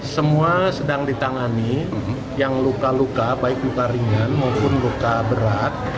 semua sedang ditangani yang luka luka baik luka ringan maupun luka berat